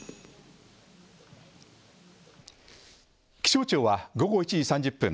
「気象庁は午後１時３０分